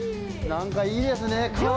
何かいいですね革って。